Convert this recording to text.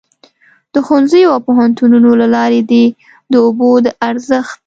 د ښوونځیو او پوهنتونونو له لارې دې د اوبو د ارزښت.